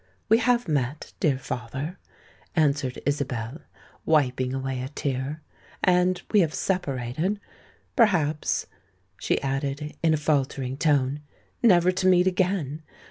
"We have met, dear father," answered Isabel, wiping away a tear; "and—we have separated—perhaps," she added in a faltering tone, "never to meet again.